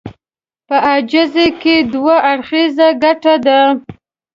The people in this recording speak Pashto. په عاجزي کې دوه اړخيزه ګټه ده.